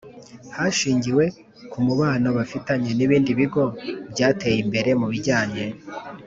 Hashingiwe ku mubano bafitanye n ibindi bigo byateye imbere mu bijyanye